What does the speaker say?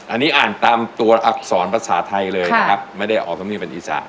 อันนี้อ่านตามตัวอักษรภาษาไทยเลยนะครับไม่ได้ออกตรงนี้เป็นอีสาน